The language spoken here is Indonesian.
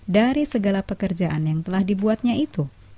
dari segala pekerjaan yang telah dibuatnya itu